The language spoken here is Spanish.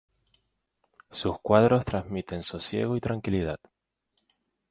Sus cuadros transmiten sosiego y tranquilidad.